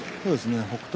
北勝